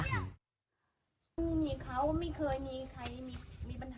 ไม่มีเขาไม่เคยมีใครมีปัญหา